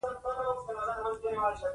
سترګې په آی پیس ږدو او ټیوب ښکته خواته وړو.